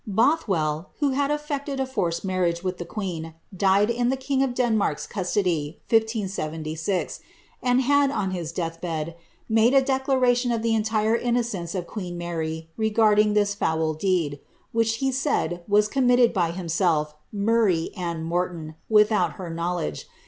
Bothwell, who had effected a forced marriage with the queen, died in the king of Den mark's custody, 1576, and had, on his death bed, made a declaration of The entire innocence of queen Mary regarding this foul deed, which he said was committed by himself, Murray, and Morton, without her know ledge.